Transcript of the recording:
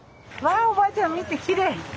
あおばあちゃん見てきれい。